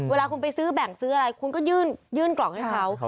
เวลาคุณไปซื้อแบ่งซื้ออะไรคุณก็ยื่นกล่องให้เขา